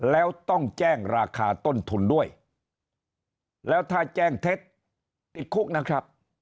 แล้วต้องแจ้งราคาต้นทุนด้วยแล้วถ้าแจ้งเท็จติดคุกนะครับ